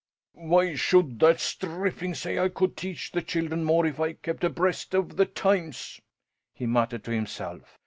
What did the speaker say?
"Why should that strippling say I could teach the children more if I kept abreast of the times?" he muttered to himself.